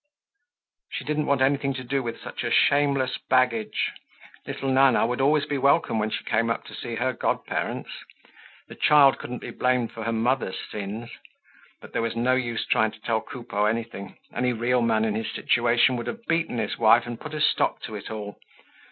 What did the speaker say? She didn't want anything to do with such a shameless baggage. Little Nana would always be welcome when she came up to see her godparents. The child couldn't be blamed for her mother's sins. But there was no use trying to tell Coupeau anything. Any real man in his situation would have beaten his wife and put a stop to it all.